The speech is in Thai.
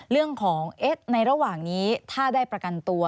เรื่องของในระหว่างนี้ถ้าได้ประกันตัว